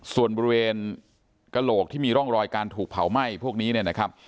ส่วนบริเวณกระโหลกที่มีร่องรอยการถูกเผาไหม้พวกนี้เนี่ยนะครับ